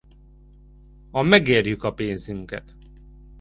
A Megérjük a pénzünket!